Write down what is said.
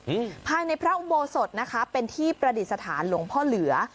อืมภายในพระอุโบสถนะคะเป็นที่ประดิษฐานหลวงพ่อเหลือ